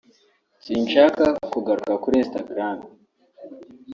sinshaka kugaruka kuri Instagram